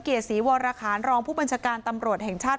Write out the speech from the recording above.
เกียรติศรีวรคารรองผู้บัญชาการตำรวจแห่งชาติ